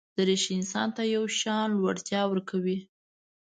دریشي انسان ته یو شان لوړتیا ورکوي.